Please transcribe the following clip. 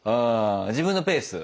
自分のペース？